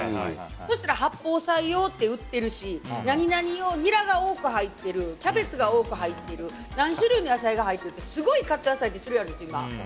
そうしたら八宝菜用って売ってるし何々用、ニラが多く入ってるキャベツが多く入ってる何種類の野菜が入ってるってすごいカット野菜の種類あるんですよ、今。